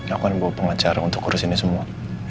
aku akan bawa pengacara untuk urusin ini semua ya